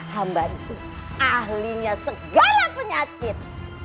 hamba itu ahlinya segala penyakit